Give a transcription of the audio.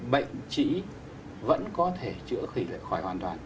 bệnh trĩ vẫn có thể chữa khỉ lệ khỏi hoàn toàn